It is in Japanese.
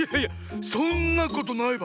そんなことないバン。